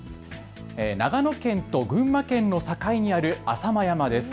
長野県と群馬県の境にある浅間山です。